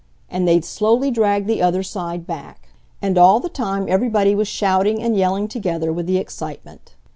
and they'd slowly drag the other side back. And all the time everybody was shouting and yelling together with the excitement.